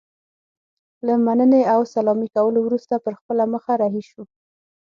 له مننې او سلامي کولو وروسته پر خپله مخه رهي شو.